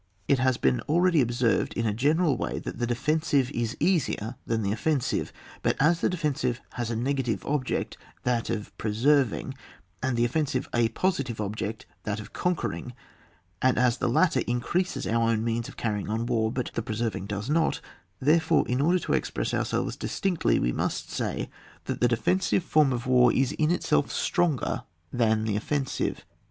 It has been already observed in a general way that the defensive is easier than the offensive ; but as the defensive has a negative object, that of preserving^ and the offensive a positive object that of eanquering, and as the latter increases our own means of carrying on war, but the preserving does not, therefore in order to express ourselves distinctly, we must say, tliftf the defensive form of war is in itself stronger than the offensive.